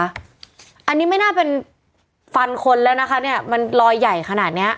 อันนี้ไม่น่าเป็นฟันคนแล้วนะคะเนี่ยมันลอยใหญ่ขนาดเนี้ย